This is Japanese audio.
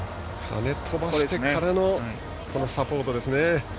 跳ね飛ばしてからのサポートですね。